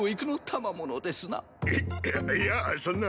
いいいやあそんな。